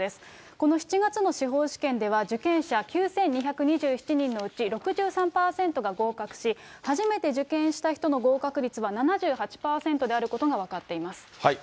この７月の司法試験では、受験者９２２７人のうち、６３％が合格し、初めて受験した人の合格率は７８％であることが分かっています。